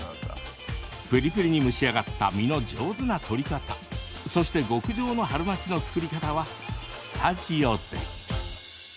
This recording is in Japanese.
プリプリに蒸し上がった実の上手な取り方そして極上の春巻きの作り方はスタジオで。